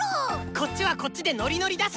こっちはこっちでノリノリだし。